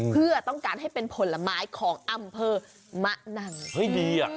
เพื่อต้องการให้เป็นผลไม้ของอำเภอมะนังเฮ้ยดีอ่ะ